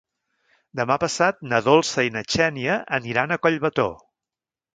Demà passat na Dolça i na Xènia aniran a Collbató.